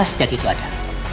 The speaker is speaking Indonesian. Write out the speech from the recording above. sediak itu ada